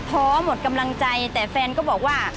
หมดกำลังใจแต่แฟนก็บอกว่า